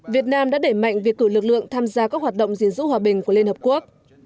việt nam đã để mạnh việc cử lực lượng tham gia các hoạt động gìn giữ hòa bình của liên hợp quốc